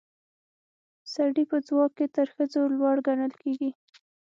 سړي په ځواک کې تر ښځو لوړ ګڼل کیږي